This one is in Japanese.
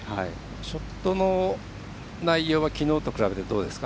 ショットの内容はきのうと比べてどうですか？